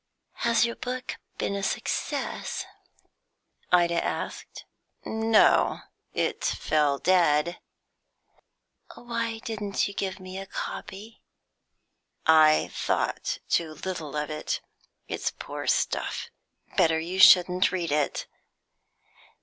"Has your book been a success?" Ida asked. "No; it fell dead." "Why didn't you give me a copy?" "I thought too little of it. It's poor stuff. Better you shouldn't read it."